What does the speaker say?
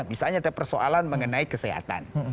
misalnya ada persoalan mengenai kesehatan